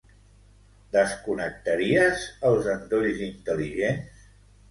Desconnectaries els endolls intel·ligents?